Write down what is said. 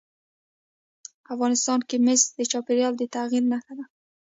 افغانستان کې مس د چاپېریال د تغیر نښه ده.